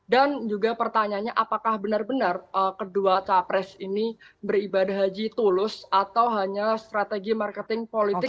dan juga pertanyaannya apakah benar benar kedua capres ini beribadah haji tulus atau hanya strategi marketing politik